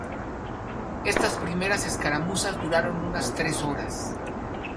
Estas primeras escaramuzas duraron unas tres horas.